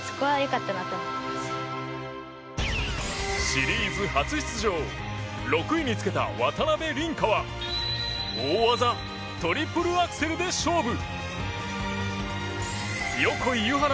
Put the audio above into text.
シリーズ初出場６位につけた渡辺倫果は大技、トリプルアクセルで勝負。